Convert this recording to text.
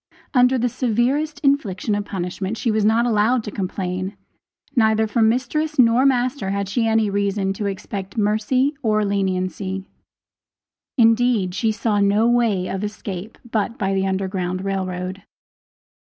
Under the severest infliction of punishment she was not allowed to complain. Neither from mistress nor master had she any reason to expect mercy or leniency indeed she saw no way of escape but by the Underground Rail Road.